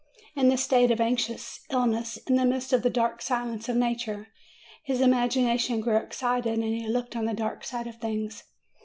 In this state of anxious illness, in the midst of that dark silence of nature, his imagination grew excited, and looked on the dark side of things.